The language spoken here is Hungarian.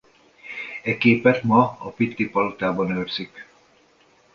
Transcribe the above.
E képet ma a Pitti-palotában őrzik.